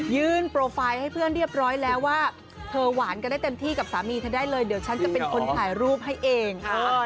โปรไฟล์ให้เพื่อนเรียบร้อยแล้วว่าเธอหวานกันได้เต็มที่กับสามีเธอได้เลยเดี๋ยวฉันจะเป็นคนถ่ายรูปให้เอง